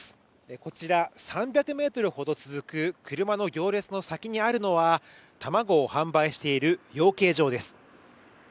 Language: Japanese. こちら３００ｍほど続く車の行列の先にあるのは卵を販売している養鶏場です